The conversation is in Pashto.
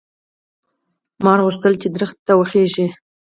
مار غوښتل چې ونې ته وخېژي.